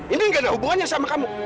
ini gak ada hubungannya sama kamu